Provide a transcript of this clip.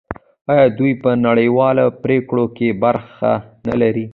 آیا دوی په نړیوالو پریکړو کې برخه نلري؟